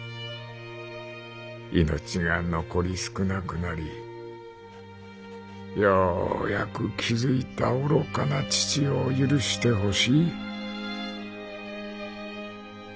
命が残り少なくなりようやく気付いた愚かな父を許してほしい」。